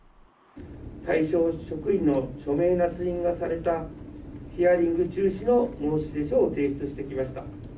対象職員の署名なつ印がされた、ヒアリング中止の申出書を提出してきました。